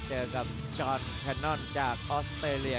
เจอกับชอนแคนนอนจากออสเตรเลีย